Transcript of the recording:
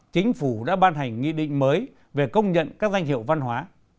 chính phủ đã ban hành nghị định mới về công nhận các danh hiệu văn hóa